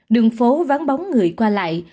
đường phố ván bóng người qua lại